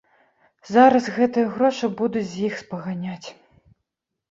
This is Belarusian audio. Зараз гэтыя грошы будуць з іх спаганяць.